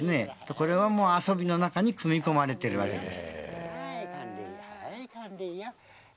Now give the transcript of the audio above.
これは遊びの中に組み込まれているわけです。